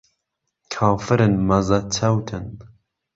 کافرن مەزه چەوتن